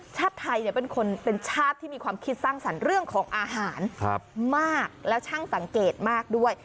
ชาติไทยเป็นคนเป็นชาติที่มีความคิดสร้างสรรค์เรื่องของอาหารมากแล้วช่างสังเกตมากด้วย